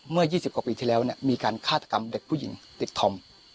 เมื่อยี่สิบกว่าปีที่แล้วเนี่ยมีการฆาตกรรมเด็กผู้หญิงติดธรรม